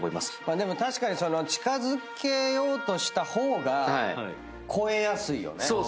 でも確かに近づけようとした方が超えやすいよね。